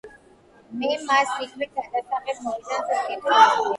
მე მას იქვე გადასაღებ მოედანზე ვკითხულობდი.